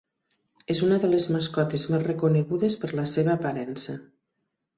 És una de les mascotes més reconegudes per la seva aparença.